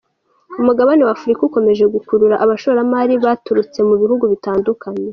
Umugabane w’Afurika ukomeje gukurura abashoramari baturutse mu bihugu bitandukanye.